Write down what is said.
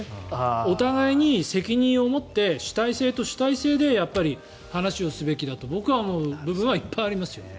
お互い責任を持って主体性と主体性で話をすべきだと僕は思う部分はいっぱいありますよ。